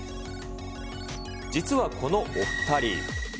実はこのお２人。